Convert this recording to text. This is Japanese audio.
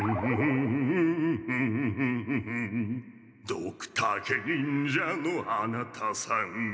「ドクタケ忍者の穴太さん」